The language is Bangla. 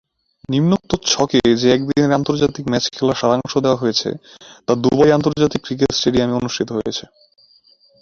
নিম্নোক্ত ছকে যে একদিনের আন্তর্জাতিক ম্যাচ খেলার সারাংশ দেওয়া হয়েছে তা দুবাই আন্তর্জাতিক ক্রিকেট স্টেডিয়ামে অনুষ্ঠিত হয়েছে